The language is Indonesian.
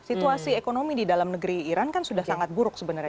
situasi ekonomi di dalam negeri iran kan sudah sangat buruk sebenarnya